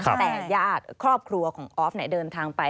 แต่ญาติครอบครัวของออฟเดินทางไป